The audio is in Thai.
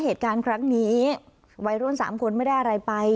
เหตุการณ์ครั้งนี้วัยรุ่น๓คนไม่ได้อะไรไป